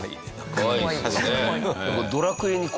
かわいいですよね。